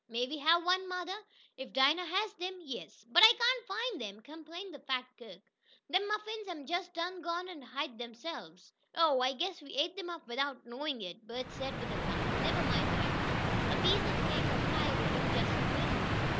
May we have one, mother?" "If Dinah has them, yes." "But I cain't find 'em!" complained the fat cook. "Dem muffins hab jest done gone an' hid de'se'ves." "Oh, I guess we ate them up without knowing it," Bert said, with a laugh. "Never mind, Dinah, a piece of cake, or pie will do just as well."